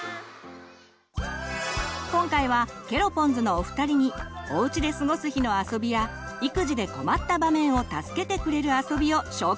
今回はケロポンズのお二人におうちで過ごす日のあそびや育児で困った場面を助けてくれるあそびを紹介してもらいます！